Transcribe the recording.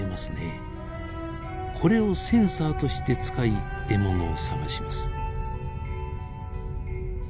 これをセンサーとして使い獲物を探します。